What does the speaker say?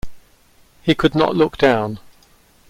He could not look down.